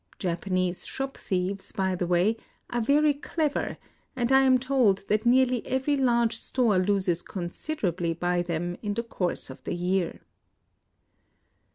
(Japanese shop thieves, by the way, are very clever ; and I am told that nearly every large store loses considerably by them in the course of the year.)